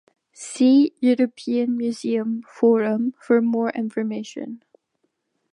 See European Museum Forum for more information.